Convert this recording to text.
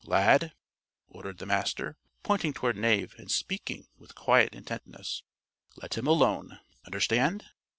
"Lad," ordered the Master, pointing toward Knave and speaking with quiet intentness, "let him alone. Understand?